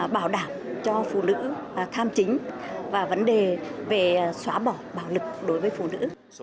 bảo đảm cho phụ nữ tham chính và vấn đề về xóa bỏ bạo lực đối với phụ nữ